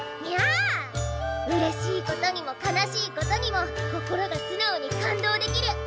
にゃうれしいことにも悲しいことにも心がすなおに感動できる